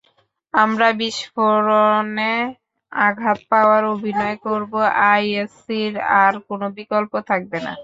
আমরা বিস্ফোরণে আঘাত পাওয়ার অভিনয় করবো, আইএসসির আর কোন বিকল্প থাকবে না।